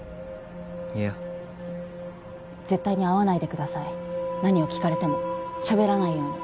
いや。絶対に会わないでください。何を聞かれてもしゃべらないように。